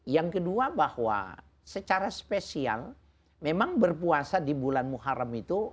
yang kedua bahwa secara spesial memang berpuasa di bulan muharrem itu